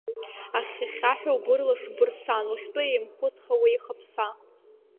Ахьхьа-хьхьаҳәа убырлаш бырсан, ухьтәы еимхәыцха уеихаԥса.